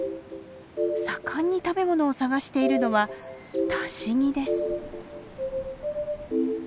盛んに食べ物を探しているのはタシギです。